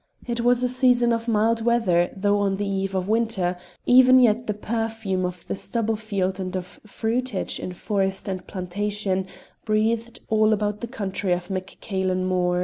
It was a season of mild weather though on the eve of winter; even yet the perfume of the stubble field and of fruitage in forest and plantation breathed all about the country of Mac Cailen Mor.